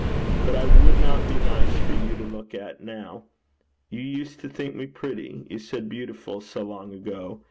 But I would not be nice for you to look at now. You used to think me pretty you said beautiful so long ago.